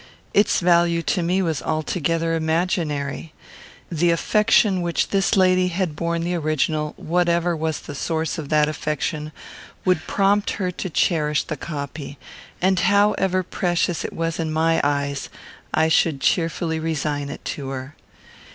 Its value to me was altogether imaginary. The affection which this lady had borne the original, whatever was the source of that affection, would prompt her to cherish the copy, and, however precious it was in my eyes, I should cheerfully resign it to her.